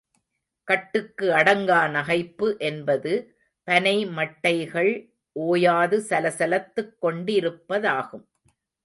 கட்டுக்கு அடங்கா நகைப்பு என்பது பனை மட்டைகள் ஓயாது சல சலத்துக் கொண்டிருப்பதாகும்.